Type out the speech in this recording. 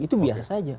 itu biasa saja